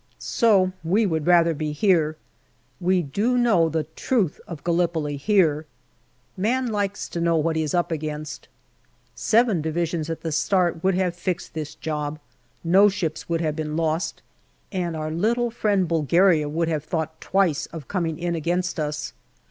So we would rather be here. We do know the truth of Gallipoli here. Man likes to know what he is up against. Seven Divisions at the start would have fixed this job, no ships would have been lost, and our little friend Bulgaria would have thought twice of coming in against us.